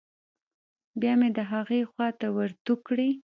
بيا مې د هغې خوا ته ورتو کړې.